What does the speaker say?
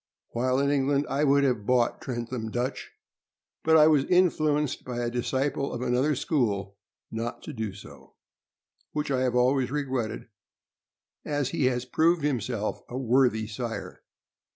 While in England, I would have bought Trentham Dutch, but I was influenced by a disciple of another school not to do so, which I have always regretted, as he has proved himself a worthy sire.